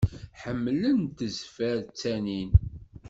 Ḥemmlen tezfer ttanin.